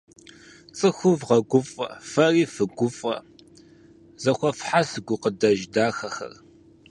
Цӏыхур вгъэгуфӏэ, фэри фыгуфӏэ зэхуэфхьэс гукъэкӏыж дахэхэр.